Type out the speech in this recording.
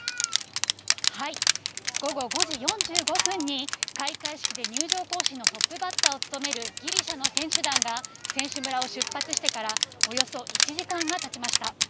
午後５時４５分に開会式で入場行進のトップバッターを務めるギリシャの選手団が、選手村を出発してから、およそ１時間がたちました。